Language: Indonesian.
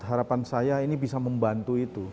harapan saya ini bisa membantu itu